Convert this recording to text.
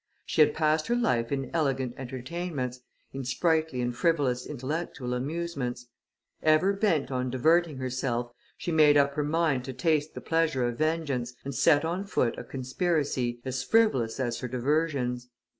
She had passed her life in elegant entertainments, in sprightly and frivolous intellectual amusements; ever bent on diverting herself, she made up her mind to taste the pleasure of vengeance, and set on foot a conspiracy, as frivolous as her diversions.